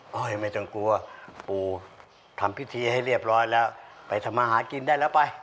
ไม่ต้องกลัวปูทำพิธีให้เรียบร้อยแล้วไปทำมาหากินได้แล้วไป